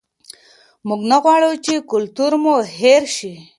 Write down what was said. موږ نه غواړو چې کلتور مو هېر شي.